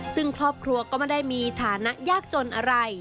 ซึ่งครอบครัวก็ไม่ได้มีฐานะยากจนอะไร